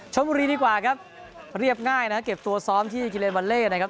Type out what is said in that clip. ช้อมรีดีกว่าครับเรียบง่ายมาเก็บตัวซ้อมที่กิเลนส์วัลเล่นนะครับ